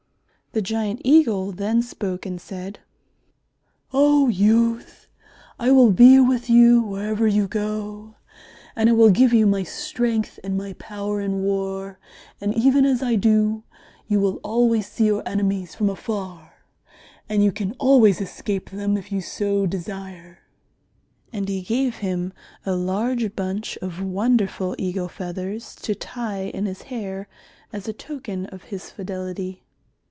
The giant Eagle then spoke and said, "Oh, youth, I will be with you wherever you go, and I will give you my strength and my power in war. And even as I do, you will always see your enemies from afar, and you can always escape them if you so desire." And he gave him a large bunch of wonderful eagle feathers to tie in his hair as a token of his fidelity.